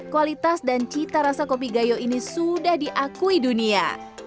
kualitas dan cita rasa kopi gayo ini sudah diakui dunia